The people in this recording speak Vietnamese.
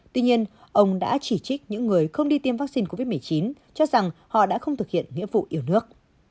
tuy nhiên ông đã chỉ trích những người không đi tiêm vaccine covid một mươi chín cho rằng họ đã không thực hiện nghĩa vụ yêu nước